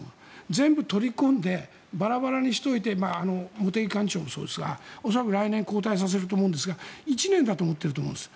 全部取り込んでバラバラにしておいて茂木幹事長もそうですが恐らく来年交代させると思いますが１年だと思っていると思います。